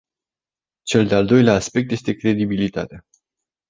Cel de-al doilea aspect este credibilitatea.